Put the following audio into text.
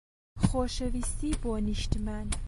خۆشەویستی بۆ نیشتمان.